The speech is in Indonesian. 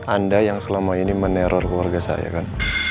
anda yang selama ini meneror keluarga saya kan